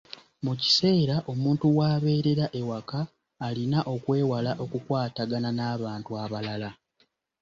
Mu kiseera omuntu w’abeerera ewaka, alina okwewala okukwatagana n’abantu abalala.